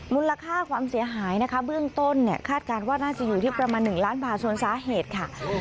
มูลค่าความเสียหายนะคะเบื้องต้นเนี่ยคาดการณ์ว่าน่าจะอยู่ที่ประมาณ๑ล้านบาทส่วนสาเหตุค่ะ